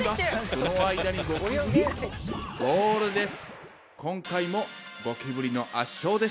その間にゴキブリゴールです。